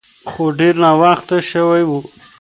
خو ډیر ناوخته شوی و.